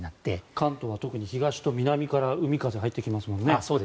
関東は東と南から海風入ってきますよね。